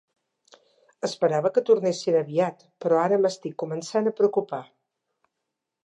Esperava que tornessin aviat, però ara m'estic començant a preocupar.